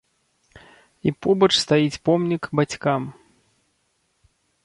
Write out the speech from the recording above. І побач стаіць помнік бацькам.